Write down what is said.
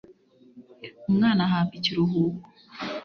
umwana ahabwa ikiruhuko